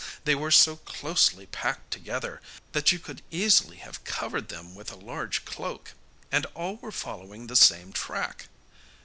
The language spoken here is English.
They were so closely packed together that you could easily have covered them with a large cloak, and all were following the same track.